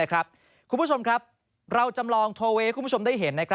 คุณผู้ชมครับเราจำลองโทเวย์ให้คุณผู้ชมได้เห็น